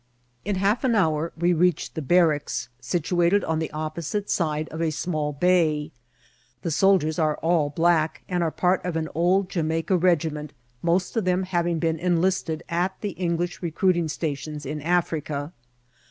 In half an hour we reached the barracks, situated on the opposite side of a small bay. The soldiers are all black, and are part of an old Jamaica regiment, most of them having been enlisted at the English recruiting stations in Africa.